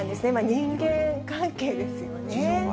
人間関係ですよね。